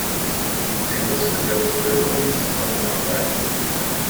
Sie muss mit der Bevölkerung zusammenarbeiten.